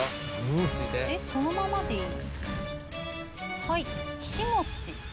そのままでいい？